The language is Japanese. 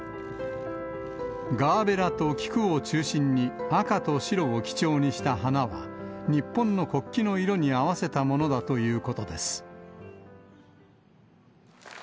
ガーベラと菊を中心に、赤と白を基調にした花は、日本の国旗の色に合わせたものだということです。